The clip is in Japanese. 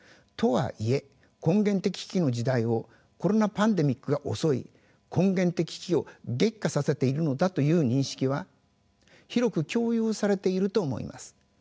とはいえ根源的危機の時代をコロナパンデミックが襲い根源的危機を激化させているのだという認識は広く共有されていると思います。